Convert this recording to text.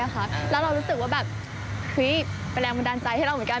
แล้วเรารู้สึกว่าแบบเป็นแรงบันดาลใจให้เราเหมือนกัน